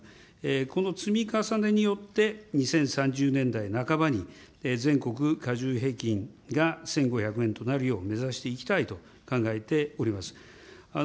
この積み重ねによって２０３０年代半ばに全国加重平均が１５００円となるよう目指していきたいと考えております。